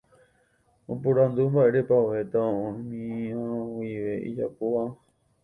Oporandu mba'érepa ovetã oĩmíva guive ijapu'a.